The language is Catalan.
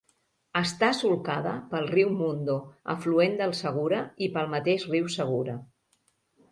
Està solcada pel riu Mundo, afluent del Segura, i pel mateix riu Segura.